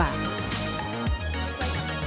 baiklah ni ya'd